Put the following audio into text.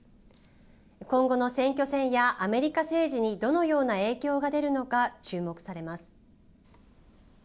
今後の選挙戦やアメリカ政治にどのような影響が出るのか注目されます。